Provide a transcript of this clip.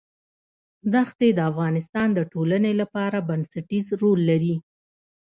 دښتې د افغانستان د ټولنې لپاره بنسټيز رول لري.